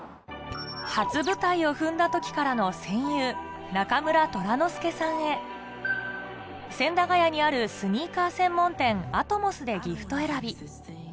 初舞台を踏んだ時からの戦友中村虎之介さんへ千駄ヶ谷にあるスニーカー専門店「ａｔｍｏｓ」でギフト選び